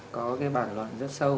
về nguyên nhân và cách chữa trị ạ